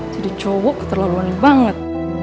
jadi cowok keterlaluan banget